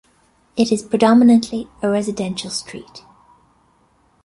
It is predominantly a residential street.